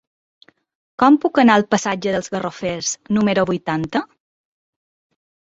Com puc anar al passatge dels Garrofers número vuitanta?